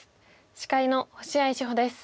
司会の星合志保です。